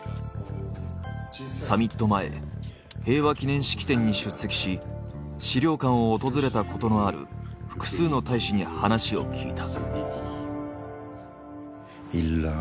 サミット前平和記念式典に出席し資料館を訪れたことのある複数の大使に話を聞いた。